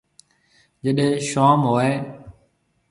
جڏي شوم ھوئِي۔